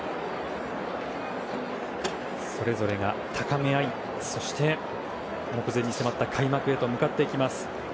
それぞれが高め合いそして目前に迫った開幕へと向かっていきます。